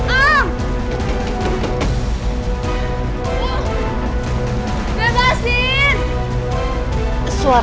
ang keluarin aku dong